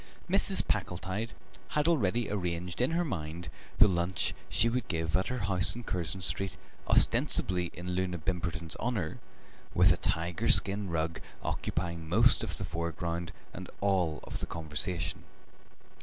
Mrs. Packletide had already arranged in her mind the lunch she would give at her house in Curzon Street, ostensibly in Loona Bimberton's honour, with a tiger skin rug occupying most of the foreground and all of the conversation.